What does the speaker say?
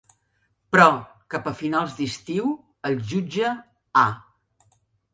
Però, cap a finals d'estiu, el jutge A.